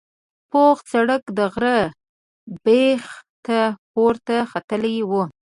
پوخ سړک د غره بیخ ته پورته ختلی و.